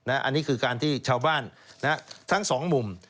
อันนี้คือการที่ชาวบ้านทั้งสองมุม